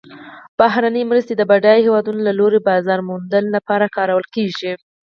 بهرنۍ مرستې د بډایه هیوادونو له لوري بازار موندلو لپاره کارول کیږي.